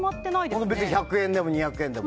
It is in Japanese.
別に１００円でも２００円でも。